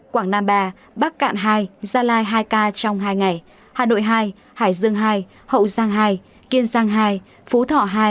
quảng nam ba bắc cạn hai gia lai hai ca trong hai ngày hà nội hai hải dương hai hậu giang hai kiên giang hai phú thọ hai